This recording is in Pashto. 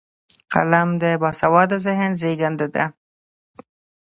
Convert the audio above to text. قلم د باسواده ذهن زیږنده ده